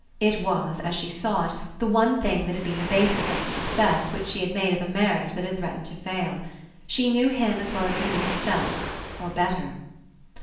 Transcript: It was, as she saw it, the one thing that had been the basis of the success which she had made of a marriage that had threatened to fail. She knew him as well as he knew himself, or better.